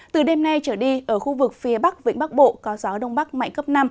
từ đêm nay trở đi ở khu vực phía bắc vĩnh bắc bộ có gió đông bắc mạnh cấp năm